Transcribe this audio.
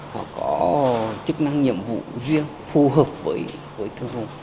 họ có chức năng nhiệm vụ riêng phù hợp với thân vùng